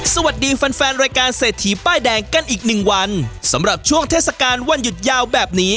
สวัสดีแฟนแฟนรายการเศรษฐีป้ายแดงกันอีกหนึ่งวันสำหรับช่วงเทศกาลวันหยุดยาวแบบนี้